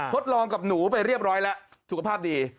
ทดลองกับหนูไปเรียบร้อยแล้วสุขภาพดี